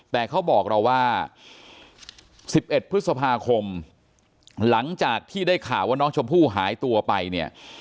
แต่เขาบอกเราว่า๑๑พฤษภาคมหลังจากที่ได้ข่าวว่าน้องชมพู่หายตัวไปเนี่ย